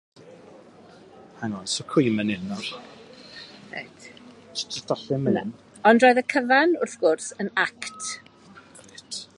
Ond roedd y cyfan, wrth gwrs, yn act.